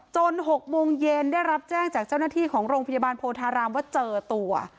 ๖โมงเย็นได้รับแจ้งจากเจ้าหน้าที่ของโรงพยาบาลโพธารามว่าเจอตัว